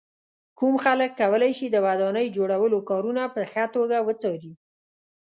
کوم خلک کولای شي د ودانۍ جوړولو کارونه په ښه توګه وڅاري.